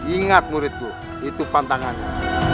ingat muridku itu pantangannya